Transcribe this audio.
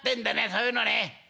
そういうのね。